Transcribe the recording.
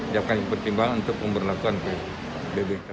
jawabkan pertimbangan untuk pemberlakuan psbb